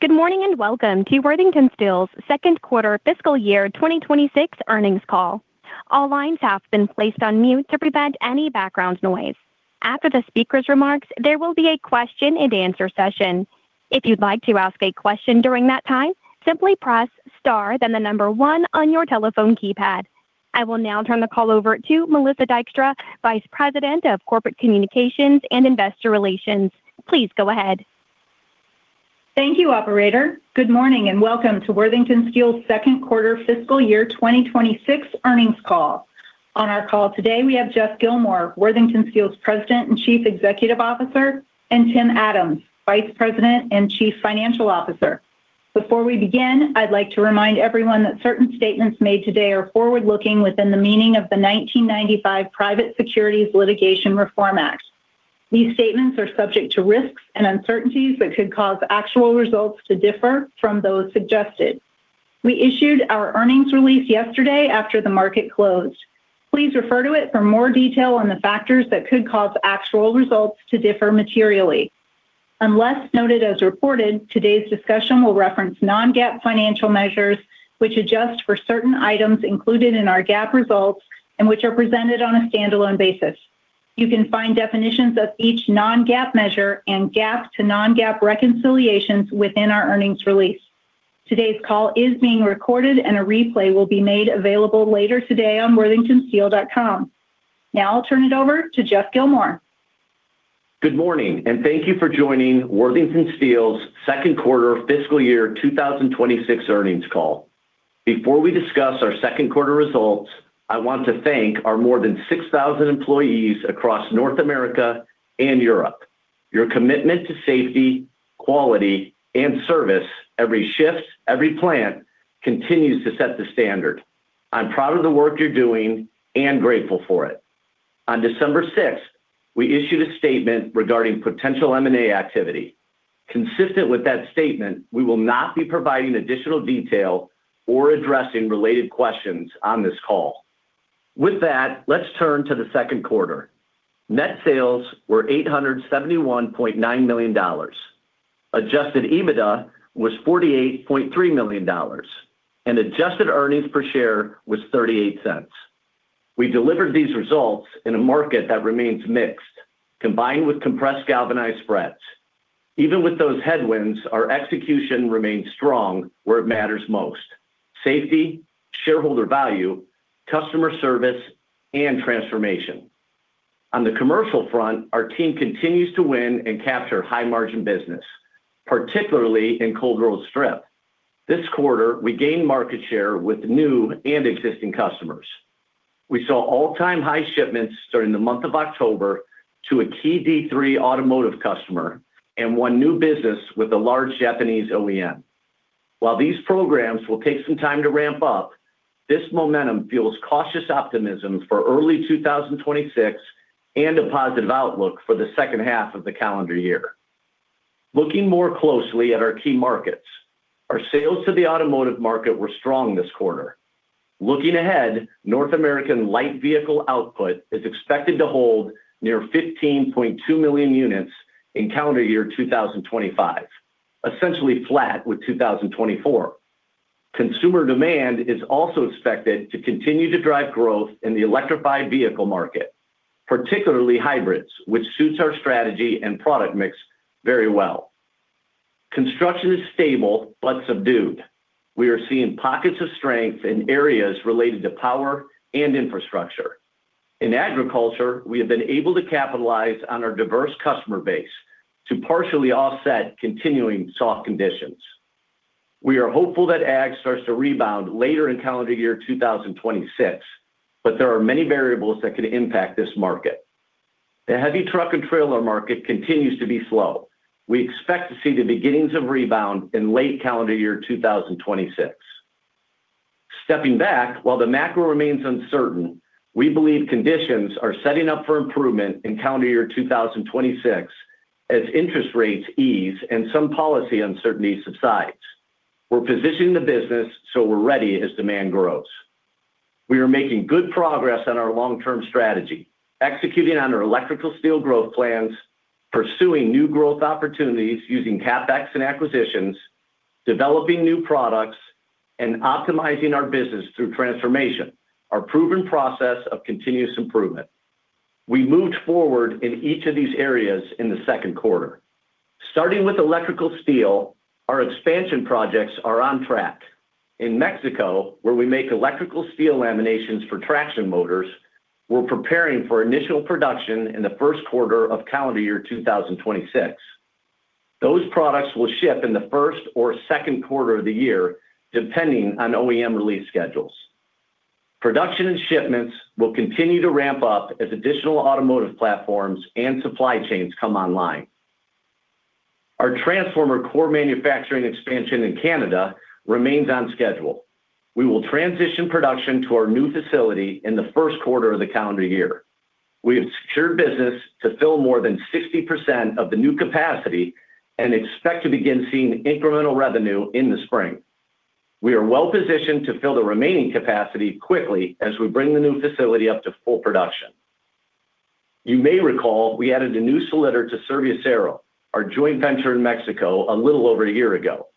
Good morning and welcome to Worthington Steel's Second Quarter Fiscal Year 2026 Earnings Call. All lines have been placed on mute to prevent any background noise. After the speaker's remarks, there will be a question-and-answer session. If you'd like to ask a question during that time, simply press star, then the number one on your telephone keypad. I will now turn the call over to Melissa Dykstra, Vice President of Corporate Communications and Investor Relations. Please go ahead. Thank you, Operator. Good morning and welcome to Worthington Steel's Second Quarter Fiscal Year 2026 Earnings Call. On our call today, we have Geoff Gilmore, Worthington Steel's President and Chief Executive Officer, and Tim Adams, Vice President and Chief Financial Officer. Before we begin, I'd like to remind everyone that certain statements made today are forward-looking within the meaning of the 1995 Private Securities Litigation Reform Act. These statements are subject to risks and uncertainties that could cause actual results to differ from those suggested. We issued our earnings release yesterday after the market closed. Please refer to it for more detail on the factors that could cause actual results to differ materially. Unless noted as reported, today's discussion will reference non-GAAP financial measures, which adjust for certain items included in our GAAP results and which are presented on a standalone basis. You can find definitions of each non-GAAP measure and GAAP to non-GAAP reconciliations within our earnings release. Today's call is being recorded, and a replay will be made available later today on worthingtonsteel.com. Now I'll turn it over to Geoff Gilmore. Good morning, and thank you for joining Worthington Steel's second quarter fiscal year 2026 earnings call. Before we discuss our second quarter results, I want to thank our more than 6,000 employees across North America and Europe. Your commitment to safety, quality, and service, every shift, every plant, continues to set the standard. I'm proud of the work you're doing and grateful for it. On December 6th, we issued a statement regarding potential M&A activity. Consistent with that statement, we will not be providing additional detail or addressing related questions on this call. With that, let's turn to the second quarter. Net sales were $871.9 million. adjusted EBITDA was $48.3 million, and adjusted earnings per share was $0.38. We delivered these results in a market that remains mixed, combined with compressed galvanized spreads. Even with those headwinds, our execution remains strong where it matters most: safety, shareholder value, customer service, and transformation. On the commercial front, our team continues to win and capture high-margin business, particularly in cold rolled strip. This quarter, we gained market share with new and existing customers. We saw all-time high shipments during the month of October to a key D3 automotive customer and one new business with a large Japanese OEM. While these programs will take some time to ramp up, this momentum fuels cautious optimism for early 2026 and a positive outlook for the second half of the calendar year. Looking more closely at our key markets, our sales to the automotive market were strong this quarter. Looking ahead, North American light vehicle output is expected to hold near 15.2 million units in calendar year 2025, essentially flat with 2024. Consumer demand is also expected to continue to drive growth in the electrified vehicle market, particularly hybrids, which suits our strategy and product mix very well. Construction is stable but subdued. We are seeing pockets of strength in areas related to power and infrastructure. In agriculture, we have been able to capitalize on our diverse customer base to partially offset continuing soft conditions. We are hopeful that ag starts to rebound later in calendar year 2026, but there are many variables that could impact this market. The heavy truck and trailer market continues to be slow. We expect to see the beginnings of rebound in late calendar year 2026. Stepping back, while the macro remains uncertain, we believe conditions are setting up for improvement in calendar year 2026 as interest rates ease and some policy uncertainties subside. We're positioning the business so we're ready as demand grows. We are making good progress on our long-term strategy, executing on our electrical steel growth plans, pursuing new growth opportunities using CapEx and acquisitions, developing new products, and optimizing our business through transformation, our proven process of continuous improvement. We moved forward in each of these areas in the second quarter. Starting with electrical steel, our expansion projects are on track. In Mexico, where we make electrical steel laminations for traction motors, we're preparing for initial production in the first quarter of calendar year 2026. Those products will ship in the first or second quarter of the year, depending on OEM release schedules. Production and shipments will continue to ramp up as additional automotive platforms and supply chains come online. Our transformer core manufacturing expansion in Canada remains on schedule. We will transition production to our new facility in the first quarter of the calendar year. We have secured business to fill more than 60% of the new capacity and expect to begin seeing incremental revenue in the spring. We are well-positioned to fill the remaining capacity quickly as we bring the new facility up to full production. You may recall we added a new slitter to Serviacero, our joint venture in Mexico, a little over a year ago.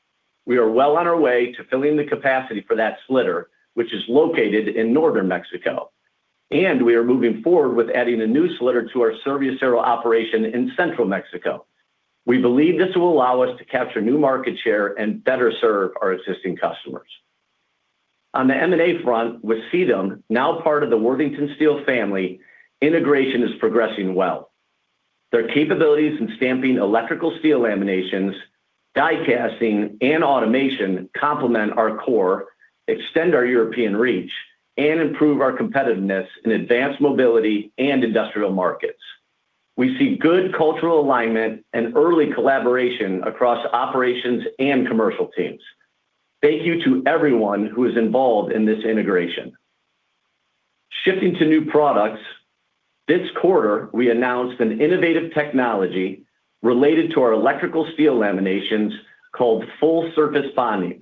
We are well on our way to filling the capacity for that slitter, which is located in northern Mexico, and we are moving forward with adding a new slitter to our Serviacero operation in Central Mexico. We believe this will allow us to capture new market share and better serve our existing customers. On the M&A front, with Sitem, now part of the Worthington Steel family, integration is progressing well. Their capabilities in stamping electrical steel laminations, die casting, and automation complement our core, extend our European reach, and improve our competitiveness in advanced mobility and industrial markets. We see good cultural alignment and early collaboration across operations and commercial teams. Thank you to everyone who is involved in this integration. Shifting to new products, this quarter we announced an innovative technology related to our electrical steel laminations called Full Surface Bonding.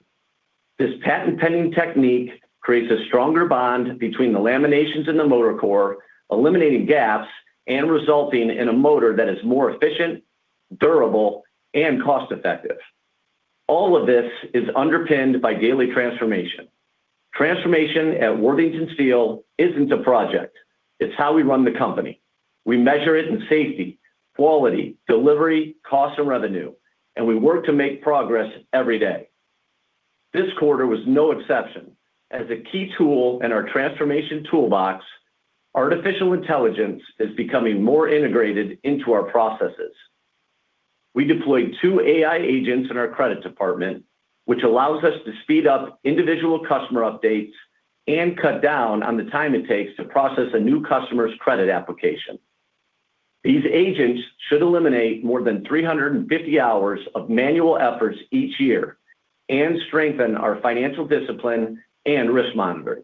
This patent-pending technique creates a stronger bond between the laminations and the motor core, eliminating gaps and resulting in a motor that is more efficient, durable, and cost-effective. All of this is underpinned by daily transformation. Transformation at Worthington Steel isn't a project. It's how we run the company. We measure it in safety, quality, delivery, cost, and revenue, and we work to make progress every day. This quarter was no exception. As a key tool in our transformation toolbox, artificial intelligence is becoming more integrated into our processes. We deployed two AI agents in our credit department, which allows us to speed up individual customer updates and cut down on the time it takes to process a new customer's credit application. These agents should eliminate more than 350 hours of manual efforts each year and strengthen our financial discipline and risk monitoring.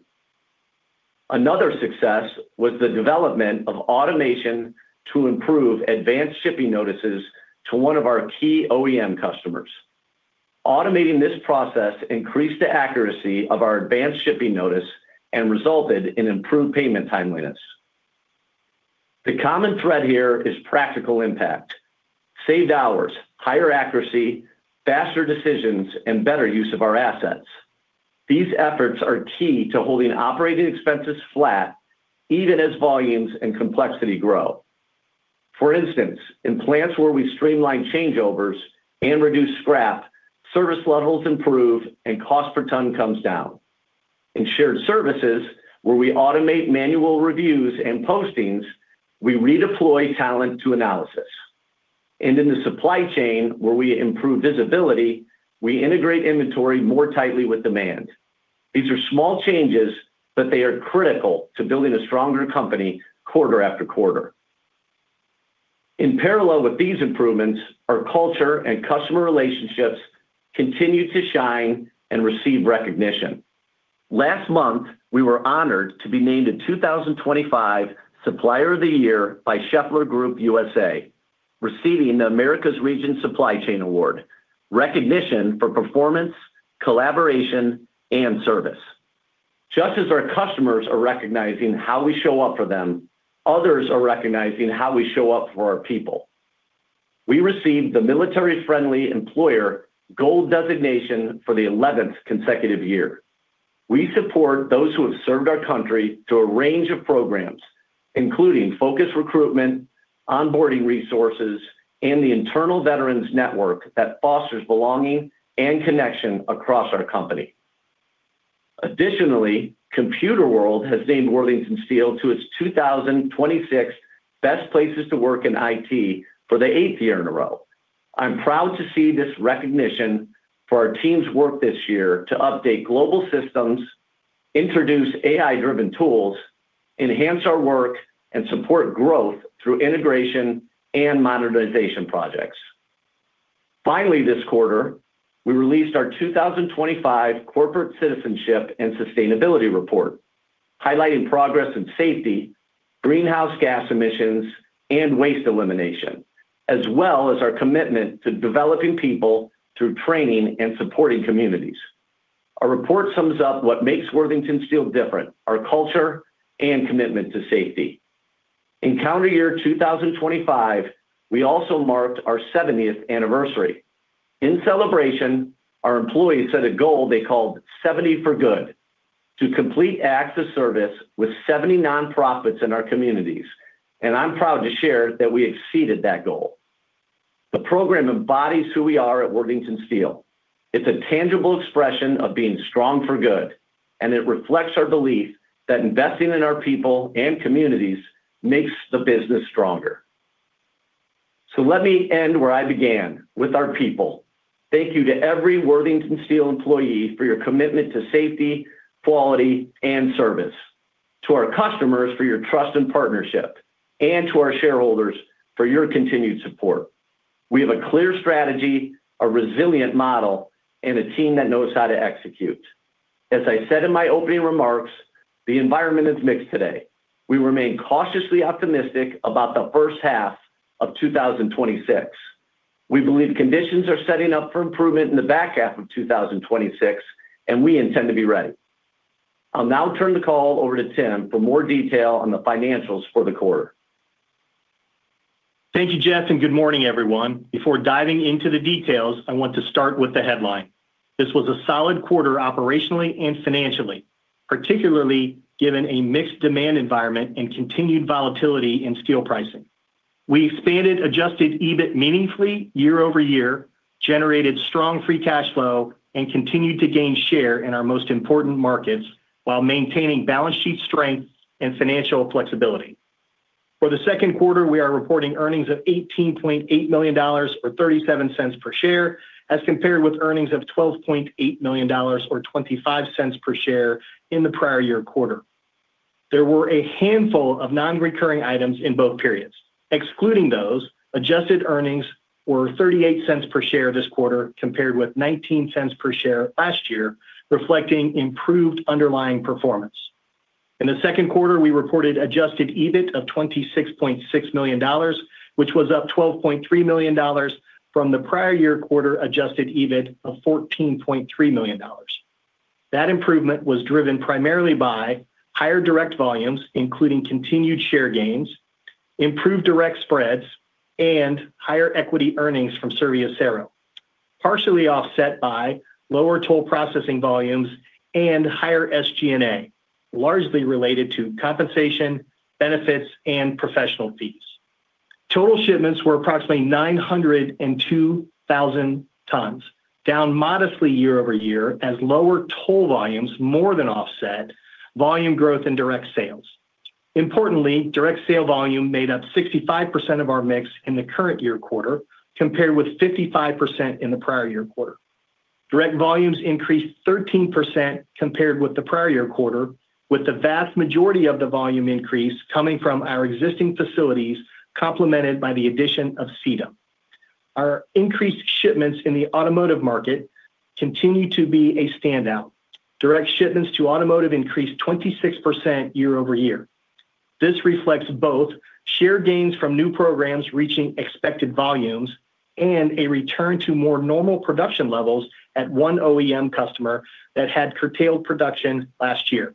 Another success was the development of automation to improve advanced shipping notices to one of our key OEM customers. Automating this process increased the accuracy of our advanced shipping notice and resulted in improved payment timeliness. The common thread here is practical impact: saved hours, higher accuracy, faster decisions, and better use of our assets. These efforts are key to holding operating expenses flat even as volumes and complexity grow. For instance, in plants where we streamline changeovers and reduce scrap, service levels improve and cost per ton comes down. In shared services, where we automate manual reviews and postings, we redeploy talent to analysis. And in the supply chain, where we improve visibility, we integrate inventory more tightly with demand. These are small changes, but they are critical to building a stronger company quarter-after-quarter. In parallel with these improvements, our culture and customer relationships continue to shine and receive recognition. Last month, we were honored to be named a 2025 Supplier of the Year by Schaeffler Group USA, receiving the Americas Region Supply Chain Award, recognition for performance, collaboration, and service. Just as our customers are recognizing how we show up for them, others are recognizing how we show up for our people. We received the Military Friendly Employer Gold designation for the 11th consecutive year. We support those who have served our country through a range of programs, including focused recruitment, onboarding resources, and the internal veterans network that fosters belonging and connection across our company. Additionally, Computerworld has named Worthington Steel to its 2026 Best Places to Work in IT for the eighth year in a row. I'm proud to see this recognition for our team's work this year to update global systems, introduce AI-driven tools, enhance our work, and support growth through integration and modernization projects. Finally, this quarter, we released our 2025 Corporate Citizenship and Sustainability Report, highlighting progress in safety, greenhouse gas emissions, and waste elimination, as well as our commitment to developing people through training and supporting communities. Our report sums up what makes Worthington Steel different: our culture and commitment to safety. In calendar year 2025, we also marked our 70th anniversary. In celebration, our employees set a goal they called 70 For Good to complete acts of service with 70 nonprofits in our communities, and I'm proud to share that we exceeded that goal. The program embodies who we are at Worthington Steel. It's a tangible expression of being strong for good, and it reflects our belief that investing in our people and communities makes the business stronger. So let me end where I began with our people. Thank you to every Worthington Steel employee for your commitment to safety, quality, and service. To our customers for your trust and partnership, and to our shareholders for your continued support. We have a clear strategy, a resilient model, and a team that knows how to execute. As I said in my opening remarks, the environment is mixed today. We remain cautiously optimistic about the first half of 2026. We believe conditions are setting up for improvement in the back half of 2026, and we intend to be ready. I'll now turn the call over to Tim for more detail on the financials for the quarter. Thank you, Geoff, and good morning, everyone. Before diving into the details, I want to start with the headline. This was a solid quarter operationally and financially, particularly given a mixed demand environment and continued volatility in steel pricing. We expanded adjusted EBIT meaningfully year-over-year, generated strong free cash flow, and continued to gain share in our most important markets while maintaining balance sheet strength and financial flexibility. For the second quarter, we are reporting earnings of $18.8 million or $0.37 per share, as compared with earnings of $12.8 million or $0.25 per share in the prior-year quarter. There were a handful of non-recurring items in both periods. Excluding those, adjusted earnings were $0.38 per share this quarter, compared with $0.19 per share last year, reflecting improved underlying performance. In the second quarter, we reported adjusted EBIT of $26.6 million, which was up $12.3 million from the prior-year quarter adjusted EBIT of $14.3 million. That improvement was driven primarily by higher direct volumes, including continued share gains, improved direct spreads, and higher equity earnings from Serviacero, partially offset by lower toll processing volumes and higher SG&A, largely related to compensation, benefits, and professional fees. Total shipments were approximately 902,000 tons, down modestly year-over-year as lower toll volumes more than offset volume growth in direct sales. Importantly, direct sale volume made up 65% of our mix in the current-year quarter, compared with 55% in the prior-year quarter. Direct volumes increased 13% compared with the prior-year quarter, with the vast majority of the volume increase coming from our existing facilities, complemented by the addition of Sitem. Our increased shipments in the automotive market continue to be a standout. Direct shipments to automotive increased 26% year-over-year. This reflects both share gains from new programs reaching expected volumes and a return to more normal production levels at one OEM customer that had curtailed production last year.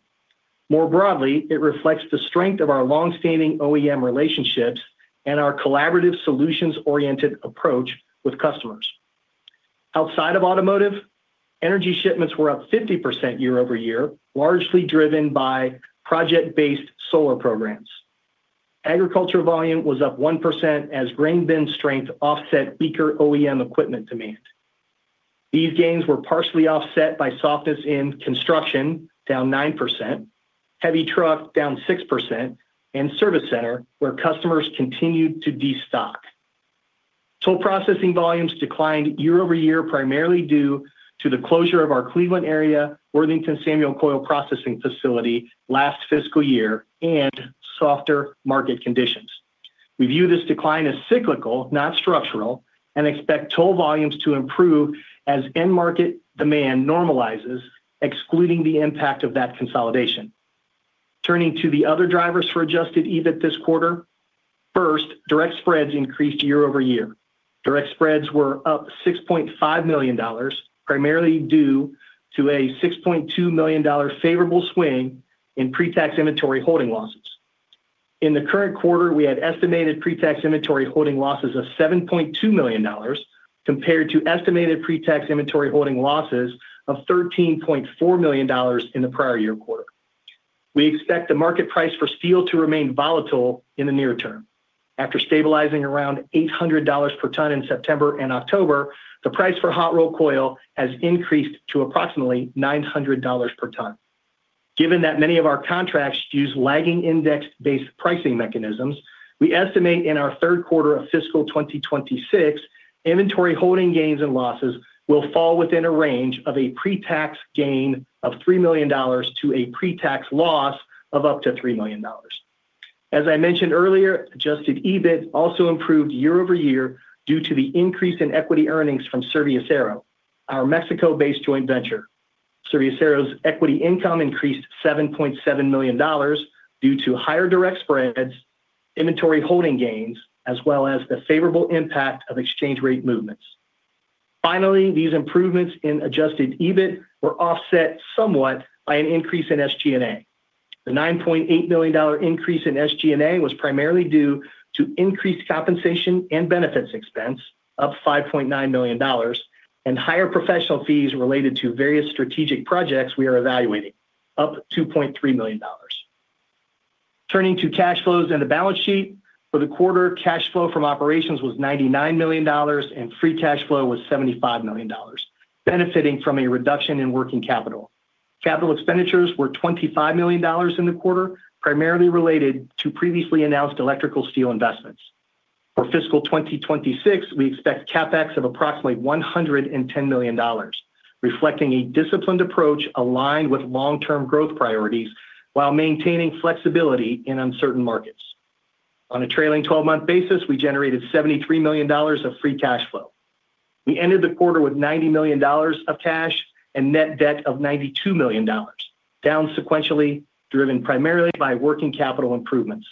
More broadly, it reflects the strength of our long-standing OEM relationships and our collaborative solutions-oriented approach with customers. Outside of automotive, energy shipments were up 50% year-over-year, largely driven by project-based solar programs. Agriculture volume was up 1% as grain bin strength offset weaker OEM equipment demand. These gains were partially offset by softness in construction, down 9%, heavy truck down 6%, and service center, where customers continued to destock. Toll processing volumes declined year-over-year, primarily due to the closure of our Cleveland area Worthington Samuel Coil Processing facility last fiscal year and softer market conditions. We view this decline as cyclical, not structural, and expect toll volumes to improve as end-market demand normalizes, excluding the impact of that consolidation. Turning to the other drivers for adjusted EBIT this quarter, first, direct spreads increased year-over-year. Direct spreads were up $6.5 million, primarily due to a $6.2 million favorable swing in pre-tax inventory holding losses. In the current quarter, we had estimated pre-tax inventory holding losses of $7.2 million, compared to estimated pre-tax inventory holding losses of $13.4 million in the prior-year quarter. We expect the market price for steel to remain volatile in the near term. After stabilizing around $800 per ton in September and October, the price for hot-rolled coil has increased to approximately $900 per ton. Given that many of our contracts use lagging index-based pricing mechanisms, we estimate in our third quarter of fiscal 2026, inventory holding gains and losses will fall within a range of a pre-tax gain of $3 million to a pre-tax loss of up to $3 million. As I mentioned earlier, adjusted EBIT also improved year-over-year due to the increase in equity earnings from Serviacero, our Mexico-based joint venture. Serviacero's equity income increased $7.7 million due to higher direct spreads, inventory holding gains, as well as the favorable impact of exchange rate movements. Finally, these improvements in adjusted EBIT were offset somewhat by an increase in SG&A. The $9.8 million increase in SG&A was primarily due to increased compensation and benefits expense, up $5.9 million, and higher professional fees related to various strategic projects we are evaluating, up $2.3 million. Turning to cash flows and the balance sheet, for the quarter, cash flow from operations was $99 million, and free cash flow was $75 million, benefiting from a reduction in working capital. Capital expenditures were $25 million in the quarter, primarily related to previously announced electrical steel investments. For fiscal 2026, we expect CapEx of approximately $110 million, reflecting a disciplined approach aligned with long-term growth priorities while maintaining flexibility in uncertain markets. On a trailing 12-month basis, we generated $73 million of free cash flow. We ended the quarter with $90 million of cash and net debt of $92 million, down sequentially, driven primarily by working capital improvements.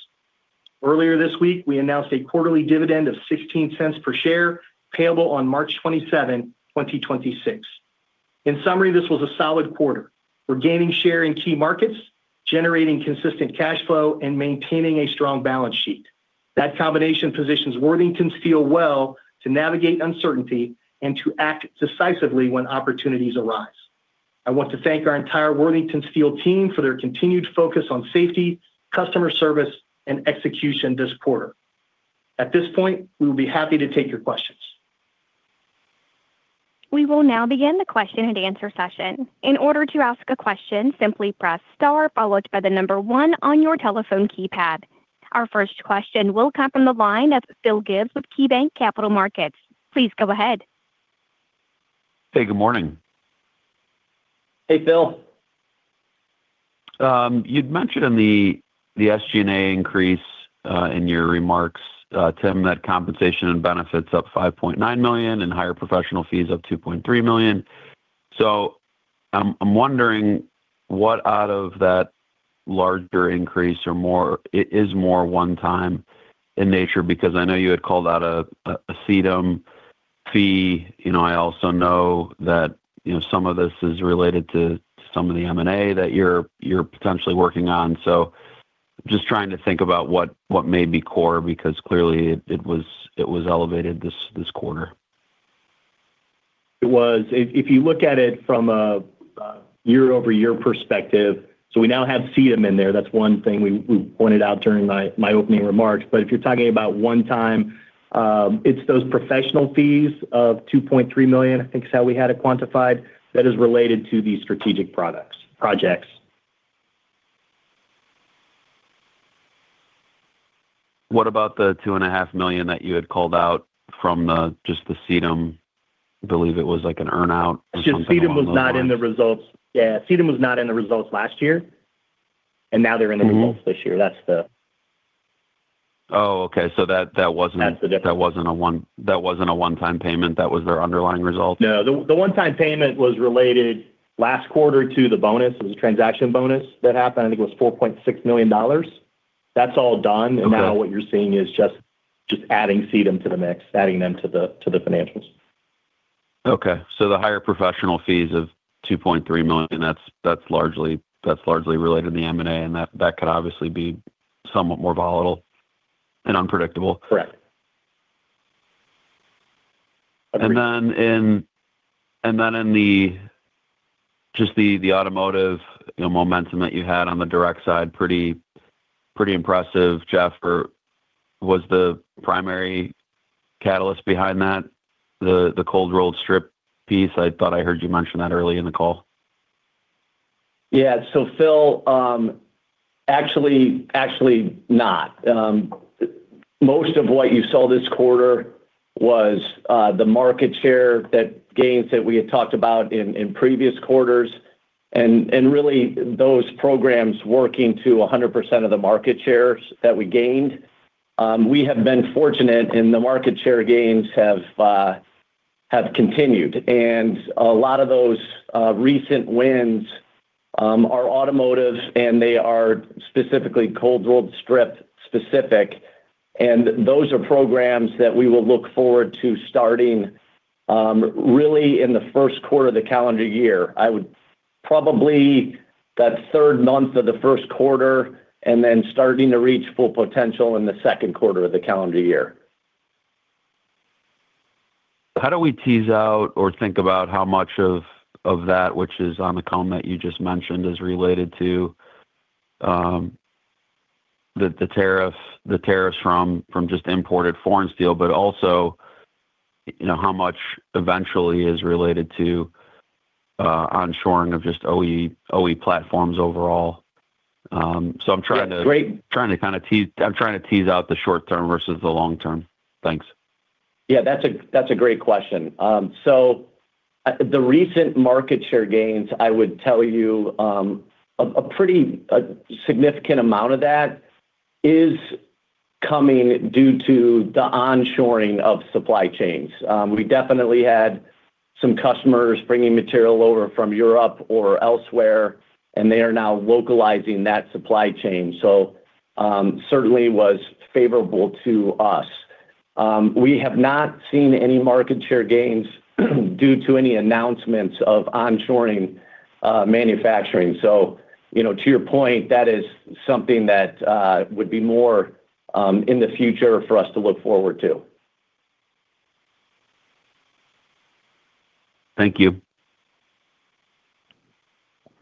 Earlier this week, we announced a quarterly dividend of $0.16 per share, payable on March 27, 2026. In summary, this was a solid quarter. We're gaining share in key markets, generating consistent cash flow, and maintaining a strong balance sheet. That combination positions Worthington Steel well to navigate uncertainty and to act decisively when opportunities arise. I want to thank our entire Worthington Steel team for their continued focus on safety, customer service, and execution this quarter. At this point, we will be happy to take your questions. We will now begin the question-and-answer session. In order to ask a question, simply press Star, followed by the number one on your telephone keypad. Our first question will come from the line of Phil Gibbs with KeyBanc Capital Markets. Please go ahead. Hey, good morning. Hey, Phil. You'd mentioned in the SG&A increase in your remarks, Tim, that compensation and benefits up $5.9 million and higher professional fees up $2.3 million. So I'm wondering what out of that larger increase is more one-time in nature, because I know you had called out a Sitem fee. I also know that some of this is related to some of the M&A that you're potentially working on. So I'm just trying to think about what may be core, because clearly it was elevated this quarter. It was. If you look at it from a year-over-year perspective, so we now have Sitem in there. That's one thing we pointed out during my opening remarks. But if you're talking about one-time, it's those professional fees of $2.3 million, I think is how we had it quantified, that is related to these strategic projects. What about the $2.5 million that you had called out from just the Sitem? I believe it was like an earn-out. I should say Sitem was not in the results. Yeah, Sitem was not in the results last year, and now they're in the results this year. That's the. Oh, okay. So that wasn't a one-time payment? That was their underlying result? No. The one-time payment was related last quarter to the bonus. It was a transaction bonus that happened. I think it was $4.6 million. That's all done, and now what you're seeing is just adding Sitem to the mix, adding them to the financials. The higher professional fees of $2.3 million, that's largely related to the M&A, and that could obviously be somewhat more volatile and unpredictable. Correct. And then in just the automotive momentum that you had on the direct side, pretty impressive. Geoff, was the primary catalyst behind cold rolled strip piece? i thought I heard you mention that early in the call. Yeah. So, Phil, actually not. Most of what you saw this quarter was the market share gains that we had talked about in previous quarters, and really those programs working to 100% of the market shares that we gained. We have been fortunate, and the market share gains have continued. And a lot of those recent wins are automotive, and they cold rolled strip specific. and those are programs that we will look forward to starting really in the first quarter of the calendar year, probably that third month of the first quarter, and then starting to reach full potential in the second quarter of the calendar year. How do we tease out or think about how much of that, which is on the comment you just mentioned, is related to the tariffs from just imported foreign steel, but also how much eventually is related to onshoring of just OE platforms overall? So I'm trying to kind of tease out the short term versus the long term. Thanks. Yeah, that's a great question. So the recent market share gains, I would tell you a pretty significant amount of that is coming due to the onshoring of supply chains. We definitely had some customers bringing material over from Europe or elsewhere, and they are now localizing that supply chain. So certainly was favorable to us. We have not seen any market share gains due to any announcements of onshoring manufacturing. So to your point, that is something that would be more in the future for us to look forward to. Thank you.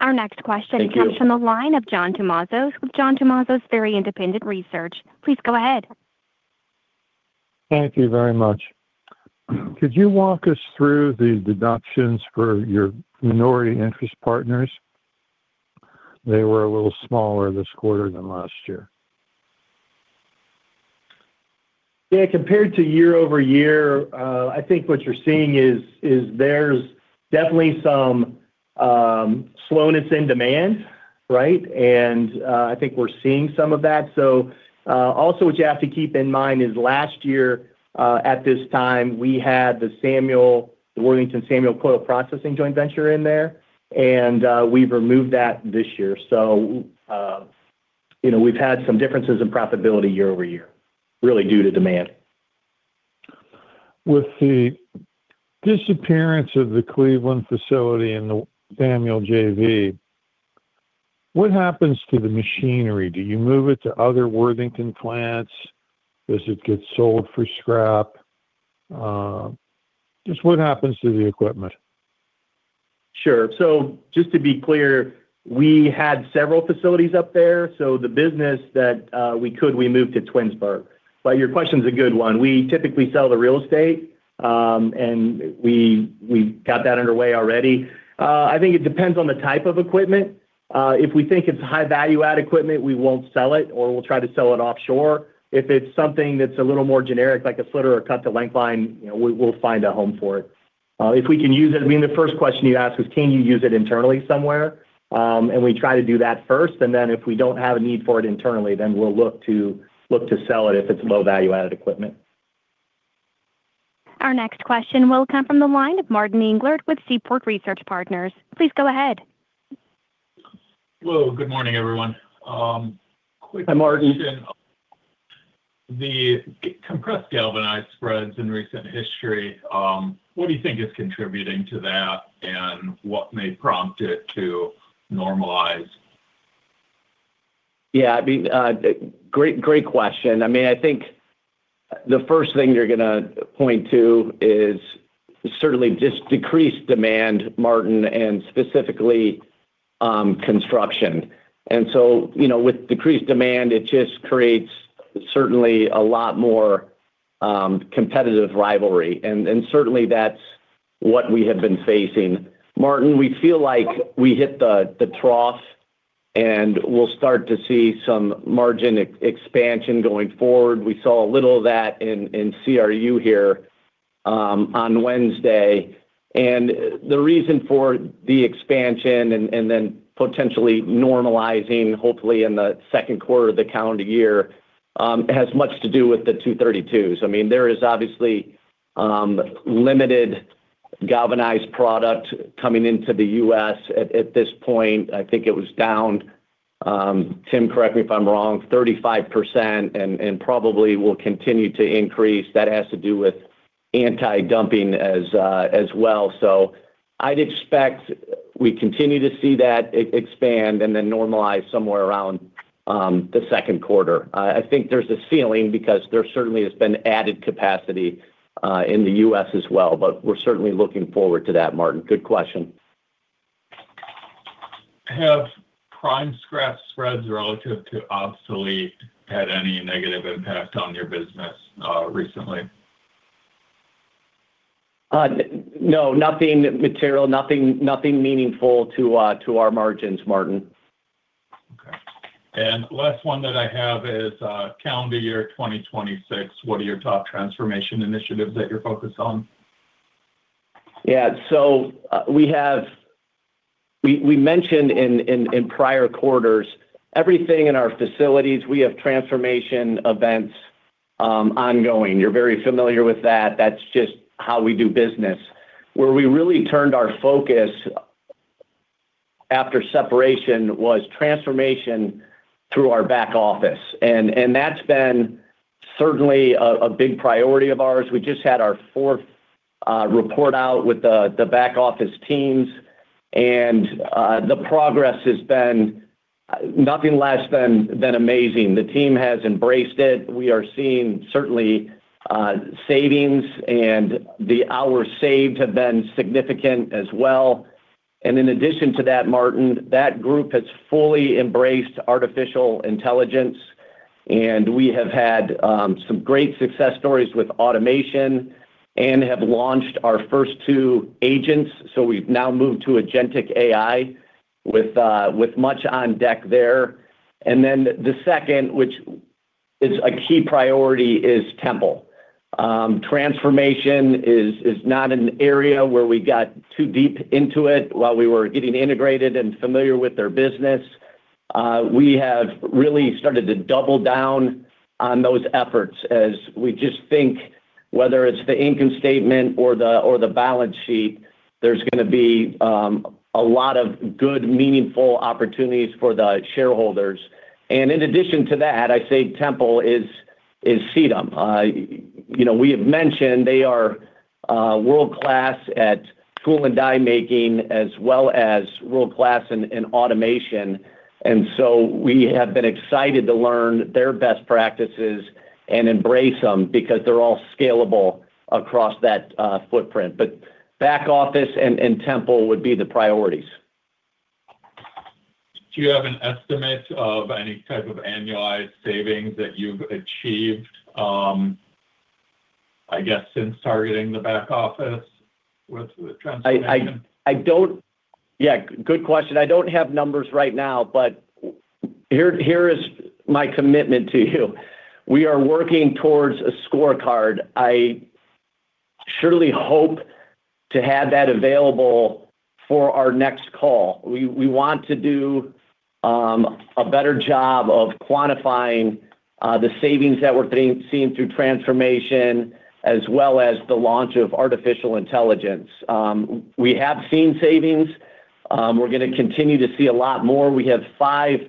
Our next question comes from the line of John Tumazos with John Tumazos Very Independent Research. Please go ahead. Thank you very much. Could you walk us through the deductions for your minority interest partners? They were a little smaller this quarter than last year. Yeah. Compared to year-over-year, I think what you're seeing is there's definitely some slowness in demand, right? And I think we're seeing some of that. So also what you have to keep in mind is last year at this time, we had the Worthington Samuel Coil Processing joint venture in there, and we've removed that this year. So we've had some differences in profitability year-over-year, really due to demand. With the disappearance of the Cleveland facility and the Samuel JV, what happens to the machinery? Do you move it to other Worthington plants? Does it get sold for scrap? Just what happens to the equipment? Sure. So just to be clear, we had several facilities up there. So the business that we could, we moved to Twinsburg. But your question's a good one. We typically sell the real estate, and we got that underway already. I think it depends on the type of equipment. If we think it's high-value-add equipment, we won't sell it, or we'll try to sell it offshore. If it's something that's a little more generic, like a slitter or cut-to-length line, we'll find a home for it. If we can use it, I mean, the first question you ask is, can you use it internally somewhere? And we try to do that first. And then if we don't have a need for it internally, then we'll look to sell it if it's low-value-added equipment. Our next question will come from the line of Martin Englert with Seaport Research Partners. Please go ahead. Hello. Good morning, everyone. Hi, Martin. Question: The compressed galvanized spreads in recent history, what do you think is contributing to that, and what may prompt it to normalize? Yeah. I mean, great question. I mean, I think the first thing you're going to point to is certainly just decreased demand, Martin, and specifically construction. And so with decreased demand, it just creates certainly a lot more competitive rivalry. And certainly, that's what we have been facing. Martin, we feel like we hit the trough, and we'll start to see some margin expansion going forward. We saw a little of that in CRU here on Wednesday. And the reason for the expansion and then potentially normalizing, hopefully in the second quarter of the calendar year, has much to do with the 232s. I mean, there is obviously limited galvanized product coming into the U.S. at this point. I think it was down, Tim, correct me if I'm wrong, 35%, and probably will continue to increase. That has to do with anti-dumping as well. So I'd expect we continue to see that expand and then normalize somewhere around the second quarter. I think there's a ceiling because there certainly has been added capacity in the U.S. as well. But we're certainly looking forward to that, Martin. Good question. Have prime scrap spreads relative to obsolete had any negative impact on your business recently? No. Nothing material, nothing meaningful to our margins, Martin. Okay. And last one that I have is calendar year 2026. What are your top transformation initiatives that you're focused on? Yeah. So we mentioned in prior quarters, everything in our facilities, we have transformation events ongoing. You're very familiar with that. That's just how we do business. Where we really turned our focus after separation was transformation through our back office. And that's been certainly a big priority of ours. We just had our fourth report out with the back office teams, and the progress has been nothing less than amazing. The team has embraced it. We are seeing certainly savings, and the hours saved have been significant as well. And in addition to that, Martin, that group has fully embraced artificial intelligence. And we have had some great success stories with automation and have launched our first two agents. So we've now moved to agentic AI with much on deck there. And then the second, which is a key priority, is Tempel. Transformation is not an area where we got too deep into it while we were getting integrated and familiar with their business. We have really started to double down on those efforts as we just think whether it's the income statement or the balance sheet, there's going to be a lot of good, meaningful opportunities for the shareholders. And in addition to that, I say Tempel is Sitem. We have mentioned they are world-class at tool and die making as well as world-class in automation. And so we have been excited to learn their best practices and embrace them because they're all scalable across that footprint. But back office and Tempel would be the priorities. Do you have an estimate of any type of annualized savings that you've achieved, I guess, since targeting the back office with the transformation? Yeah. Good question. I don't have numbers right now, but here is my commitment to you. We are working towards a scorecard. I surely hope to have that available for our next call. We want to do a better job of quantifying the savings that we're seeing through transformation as well as the launch of artificial intelligence. We have seen savings. We're going to continue to see a lot more. We have five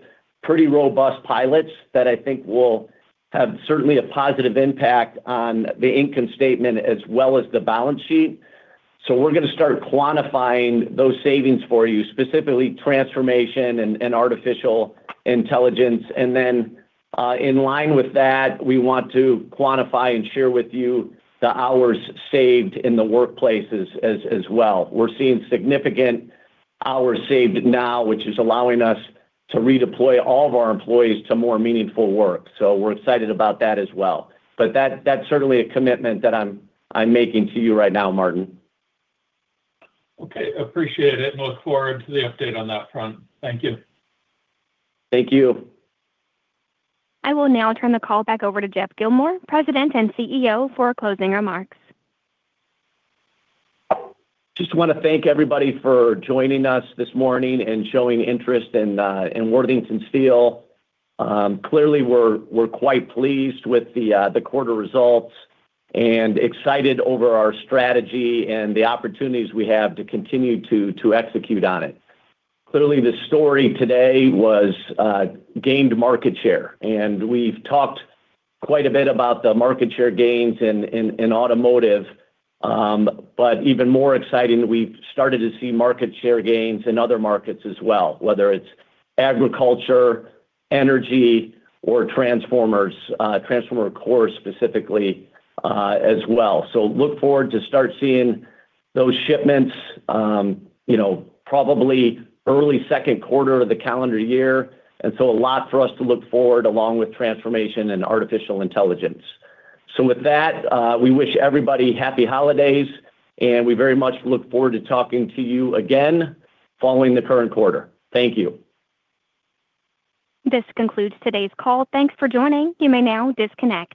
pretty robust pilots that I think will have certainly a positive impact on the income statement as well as the balance sheet. So we're going to start quantifying those savings for you, specifically transformation and artificial intelligence. And then in line with that, we want to quantify and share with you the hours saved in the workplaces as well. We're seeing significant hours saved now, which is allowing us to redeploy all of our employees to more meaningful work. So we're excited about that as well. But that's certainly a commitment that I'm making to you right now, Martin. Okay. Appreciate it. Look forward to the update on that front. Thank you. Thank you. I will now turn the call back over to Geoff Gilmore, President and CEO, for closing remarks. Just want to thank everybody for joining us this morning and showing interest in Worthington Steel. Clearly, we're quite pleased with the quarter results and excited over our strategy and the opportunities we have to continue to execute on it. Clearly, the story today was gained market share. And we've talked quite a bit about the market share gains in automotive. But even more exciting, we've started to see market share gains in other markets as well, whether it's agriculture, energy, or transformers, transformer cores specifically as well. So look forward to start seeing those shipments probably early second quarter of the calendar year. And so a lot for us to look forward along with transformation and artificial intelligence. So with that, we wish everybody happy holidays, and we very much look forward to talking to you again following the current quarter. Thank you. This concludes today's call. Thanks for joining. You may now disconnect.